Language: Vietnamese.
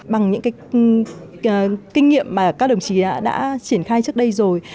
bằng những cái kinh nghiệm mà các đồng chí đã triển khai trước đây rồi